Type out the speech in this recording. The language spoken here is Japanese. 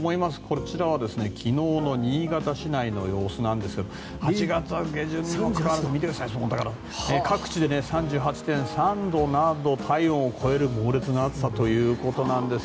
こちらは昨日の新潟市内の様子なんですが８月下旬にもかかわらず見てください各地で３８．３度など体温を超える猛烈な暑さということなんです。